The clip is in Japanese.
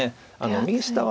右下は。